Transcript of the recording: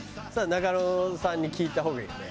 中野さんに聞いた方がいいよね。